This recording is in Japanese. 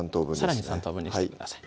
さらに３等分にしてください